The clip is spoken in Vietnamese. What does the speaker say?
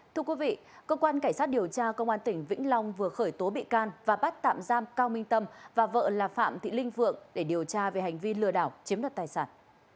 thưa quý vị cơ quan cảnh sát điều tra công an tỉnh vĩnh long vừa khởi tố bị can và bắt tạm giam cao minh tâm và vợ là phạm thị linh phượng để điều tra về hành vi lừa đảo chiếm đoạt tài sản